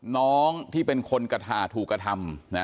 น้องที่เป็นคนกระถาถูกกระทำ